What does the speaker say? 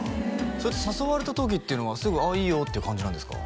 それって誘われた時っていうのはすぐ「ああいいよ」っていう感じなんですか？